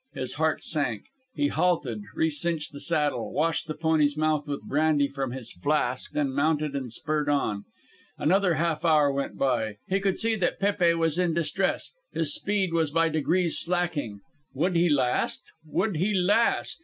His heart sank. He halted, recinched the saddle, washed the pony's mouth with brandy from his flask, then mounted and spurred on. Another half hour went by. He could see that Pépe was in distress; his speed was by degrees slacking. Would he last! Would he last?